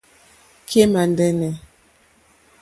Kémà ndɛ́nɛ̀.